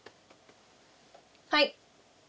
はい